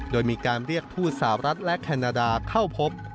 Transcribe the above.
โดยมีการเรียกทูตสาวรัฐและแคนาดาเข้าพบ